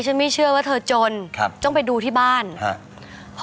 ไม่เชื่อว่าเธอจนครับต้องไปดูที่บ้านฮะ